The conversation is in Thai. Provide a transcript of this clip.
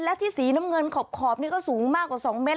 และที่สีน้ำเงินขอบนี่ก็สูงมากกว่า๒เมตร